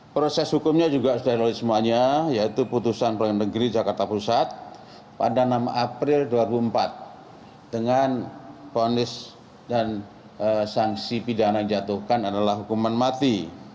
proses hukumnya juga sudah dilakukan semuanya yaitu putusan pengadilan negeri jakarta pusat pada enam april dua ribu empat dengan ponis dan sanksi pidana yang dijatuhkan adalah hukuman mati